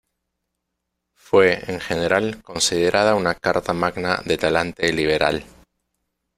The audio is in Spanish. Fue en general considerada una carta magna de talante liberal.